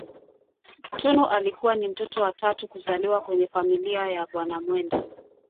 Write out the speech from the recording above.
Tunu alikua ni mtoto wa tatu kuzaliwa kwenye familia ya bwana Mwenda